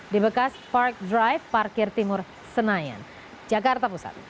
di bekas park drive parkir timur senayan jakarta pusat